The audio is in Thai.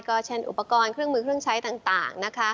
ก็เช่นอุปกรณ์เครื่องมือเครื่องใช้ต่างนะคะ